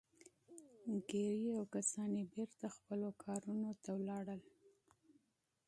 ګیري او کسان یې بېرته خپلو کارونو ته ستانه شول